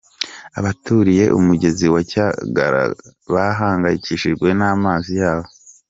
Abaturiye umugezi wa Cyagara bahangayikishijwe n’amazi yawo